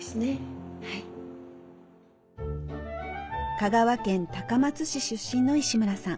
香川県高松市出身の石村さん。